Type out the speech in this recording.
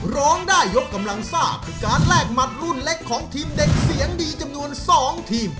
ร้องได้ยกกำลังซ่าคือการแลกหมัดรุ่นเล็กของทีมเด็กเสียงดีจำนวน๒ทีม